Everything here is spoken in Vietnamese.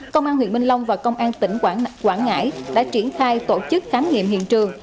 công an huyện minh long và công an tỉnh quảng ngãi đã triển khai tổ chức khám nghiệm hiện trường